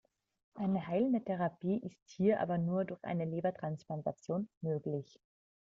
Eine heilende Therapie ist hier aber nur durch eine Lebertransplantation möglich.